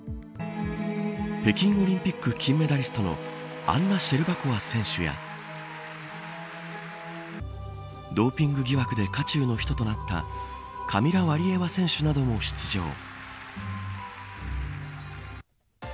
北京オリンピック金メダリストのアンナ・シェルバコワ選手やドーピング疑惑で渦中の人となったカミラ・ワリエワ選手なども出場。